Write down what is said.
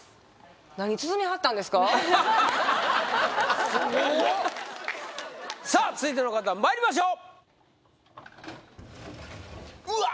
すごっさあ続いての方まいりましょううわっ